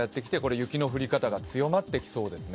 雪の降り方が強まっていきそうです。